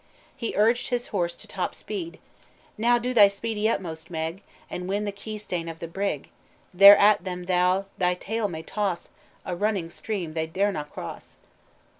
He urged his horse to top speed, "Now do thy speedy utmost, Meg, And win the key stane of the brig; There at them thou thy tail may toss, A running stream they dare na cross!"